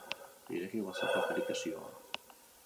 Ireki WhatsApp aplikazioa.